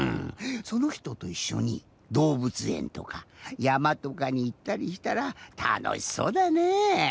そのひとといっしょにどうぶつえんとかやまとかにいったりしたらたのしそうだね。